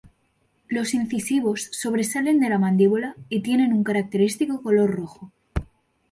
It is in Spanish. Los incisivos sobresalen de la mandíbula y tienen un característico color rojo.